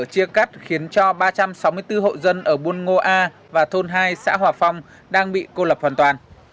chia cắt khiến cho ba trăm sáu mươi bốn hộ dân ở buôn ngô a và thôn hai xã hòa phong đang bị cô lập hoàn toàn